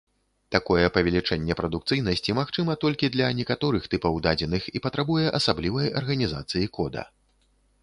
Такое павелічэнне прадукцыйнасці магчыма толькі для некаторых тыпаў дадзеных і патрабуе асаблівай арганізацыі кода.